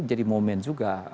menjadi momen juga